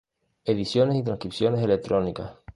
Ediciones y transcripciones electrónicas